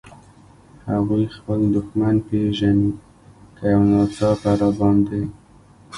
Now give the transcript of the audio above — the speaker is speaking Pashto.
هغوی خپل دښمن پېژني، که یو ناڅاپه را باندې.